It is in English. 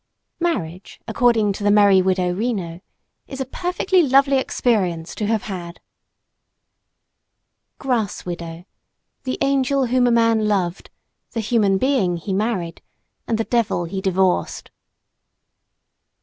Marriage, according to the merry Widow reno, is a "perfectly lovely experience to have had!" Grass Widow: The angel whom a man loved, the human being he married, and the devil he divorced.